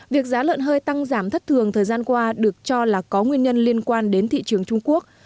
việc giá lợn hơi tăng giảm thất thường thời gian qua được cho là có nguyên nhân liên quan đến thị trường trung quốc